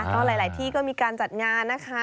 ก็หลายที่ก็มีการจัดงานนะคะ